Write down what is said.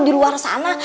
di luar sana